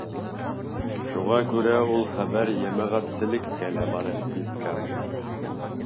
Шуға күрә ул хәбәр йәмәғәтселеккә лә барып еткән.